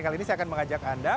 kali ini saya akan mengajak anda